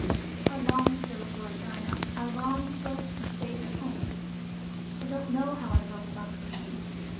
I longed so for it, Dinah, I longed so to be safe at home. I don't know how I felt about the baby.